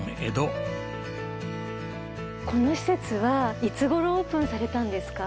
この施設はいつ頃オープンされたんですか？